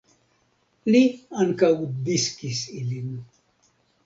Li ankaŭ diskis ilin.